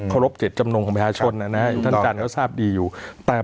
ต้องจำนงของมหาชนน่ะน่ะท่านจันทร์เขาทราบดีอยู่แต่